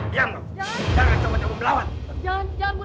jangan jangan jangan jangan jangan